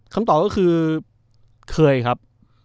คำตอบก็คือเคยครับ